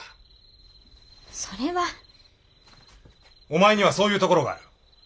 お前にはそういうところがある。